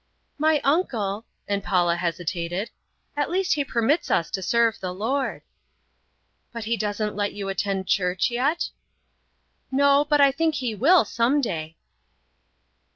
"My uncle," and Paula hesitated, "at least he permits us to serve the Lord." "But he doesn't let you attend church yet?" "No, but I think he will some day."